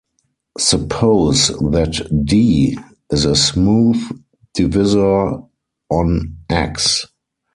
Suppose that "D" is a smooth divisor on "X".